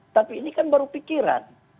tapi ini kan baru pikiran